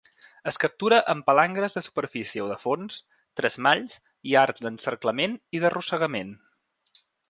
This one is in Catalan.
Es captura amb palangres de superfície o de fons, tresmalls i arts d'encerclament i d'arrossegament.